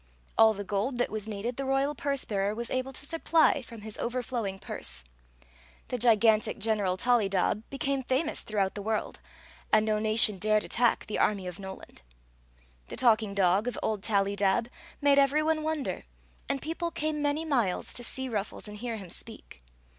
All the gold that was needed the royal purse bearer was able to supply from his overflowing purse. TTie gigantic General Tollydob became famous throughout the worid. and no nation dared attack the army of Noland. The talking dog of old Tallydab made every one wonder, and people came many miles to see Ruffles and hear him speak.